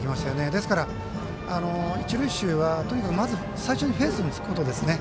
ですから、一塁手はとにかく最初にフェンスにつくことですね。